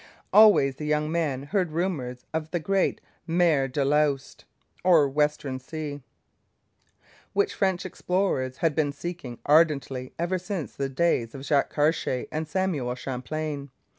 Always the young man heard rumours of a great Mer de l'Ouest, or Western Sea, which French explorers had been seeking ardently ever since the days of Jacques Cartier and Samuel Champlain.